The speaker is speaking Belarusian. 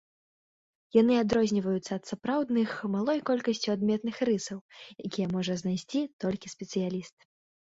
Яны адрозніваюцца ад сапраўдных малой колькасцю адметных рысаў, якія можа знайсці толькі спецыяліст.